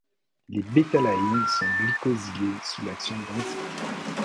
Les bétalaïnes sont glycosylées sous l’action d’enzymes.